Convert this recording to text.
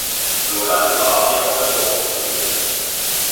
So lernte Marty auch mit Druck umzugehen.